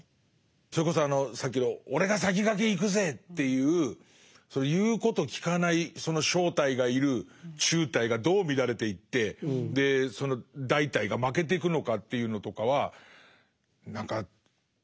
それこそあのさっきの俺が先駆け行くぜっていう言うこと聞かないその小隊がいる中隊がどう乱れていってその大隊が負けてくのかというのとかは何か身にしみて分かるんだろうな。